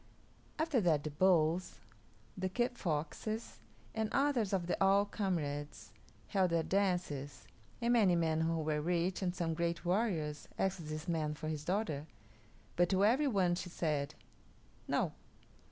After that the Bulls, the Kit Foxes, and others of the All Comrades held their dances, and many men who were rich and some great warriors asked this man for his daughter, but to every one she said, "No."